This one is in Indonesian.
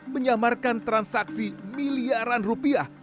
menyamarkan transaksi miliaran rupiah